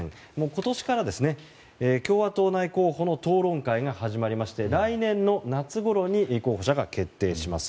今年から共和党内候補の討論会が始まりまして来年の夏ごろに候補者が決定します。